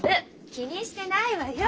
気にしてないわよ。